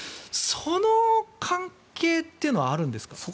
その関係というのはあるんですか？